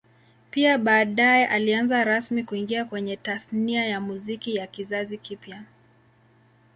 Pia baadae alianza rasmi kuingia kwenye Tasnia ya Muziki wa kizazi kipya